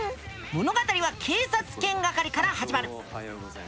物語は警察犬係から始まる。